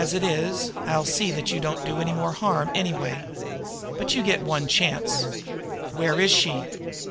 As it is, I'll see that you don't do any more harm anyway, but you get one chance. Where is she?